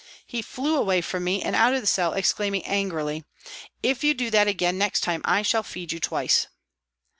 He flew away from me and out of the cell, exclaiming angrily, " If you do that again next time I shall feed you twice."